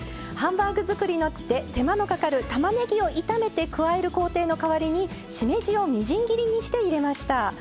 ハンバーグ作りの手間のかかるたまねぎを炒めて加える工程の代わりにしめじを、みじん切りにして入れました。